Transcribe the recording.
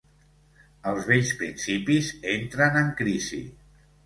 Els vells principis entren en crisi.